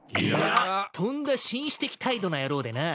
とんだ紳士的態度な野郎でな。